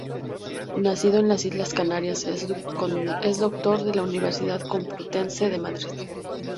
Nacido en las islas Canarias, es doctor por la Universidad Complutense de Madrid.